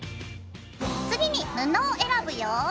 次に布を選ぶよ。